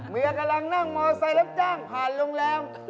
เมียกำลังนั่งมอเซอร์ไซค์แล้วจ้างผ่านโรงแรม